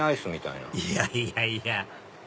いやいやいや